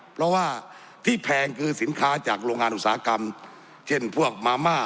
เพราะว่าที่แพงคือสินค้าจากโรงงานอุตสาหกรรมเช่นพวกมาม่า